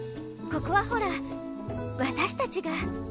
ここはほら私たちが。